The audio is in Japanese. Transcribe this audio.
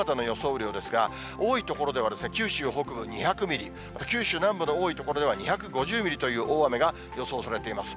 雨量ですが、多い所では九州北部で２００ミリ、九州南部の多い所では２５０ミリという大雨が予想されています。